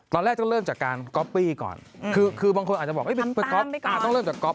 ตอนแรกต้องเริ่มจากการก๊อปปี้ก่อนคือบางคนอาจจะบอกต้องเริ่มจากก๊อ